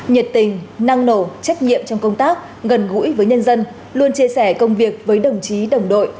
nhiệt tình năng nổ trách nhiệm trong công tác gần gũi với nhân dân luôn chia sẻ công việc với đồng chí đồng đội